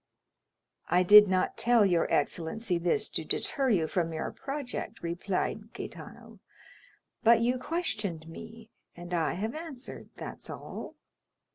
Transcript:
"I did not tell your excellency this to deter you from your project," replied Gaetano, "but you questioned me, and I have answered; that's all."